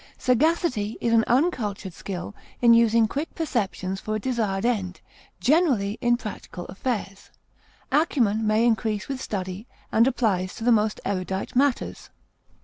Sagacity is an uncultured skill in using quick perceptions for a desired end, generally in practical affairs; acumen may increase with study, and applies to the most erudite matters.